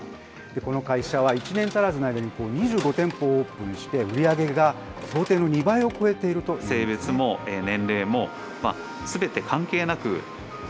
この会社は、１年足らずの間に２５店舗オープンして、売り上げが想定の２倍を超えているというんですね。